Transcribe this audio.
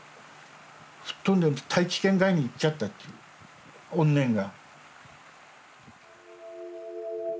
吹っ飛んで大気圏外にいっちゃったっていう怨念が。